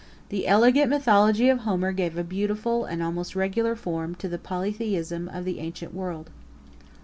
5 The elegant mythology of Homer gave a beautiful, and almost a regular form, to the polytheism of the ancient world.